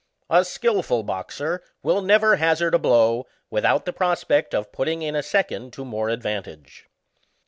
A skilful boxer will never hazard a blow, without the prospect of putting in a second to more advantage.